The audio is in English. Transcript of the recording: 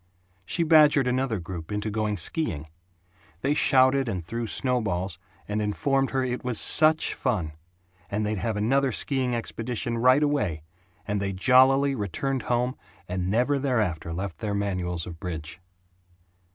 She badgered another group into going skiing. They shouted and threw snowballs, and informed her that it was SUCH fun, and they'd have another skiing expedition right away, and they jollily returned home and never thereafter left their manuals of bridge.